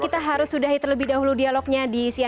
kita harus sudahi dialognya